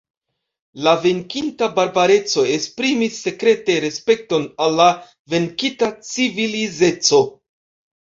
La venkinta barbareco esprimis sekrete respekton al la venkita civilizeco.